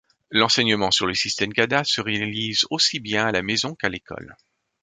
L'enseignement sur le système Gada se réalise aussi bien à la maison qu'à l’école.